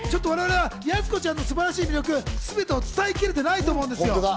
やす子ちゃんの素晴らしい魅力すべてを伝えきれていないと思うんですよ。